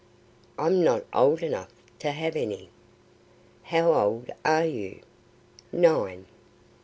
"I'm not old enough to have any?" "How old are you?" "Nine."